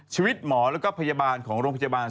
ชีวิตหมอแล้วก็พยาบาลของโรงพยาบาล